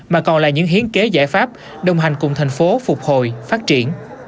mà còn là những hiến kế giải pháp đồng hành cùng thành phố phục hồi phát triển